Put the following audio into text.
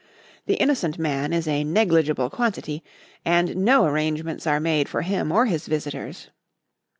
The innocent man is a negligible quantity, and no arrangements are made for him or his visitors."